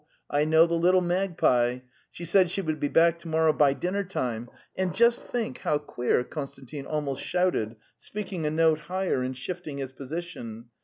I know the little magpie. She said she would be back to morrow by dinner time. ... And just think how queer!' Konstantin almost shouted, speaking a note higher and shifting his position.